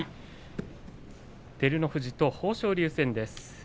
照ノ富士、豊昇龍戦です。